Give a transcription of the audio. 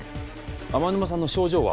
天沼さんの症状は？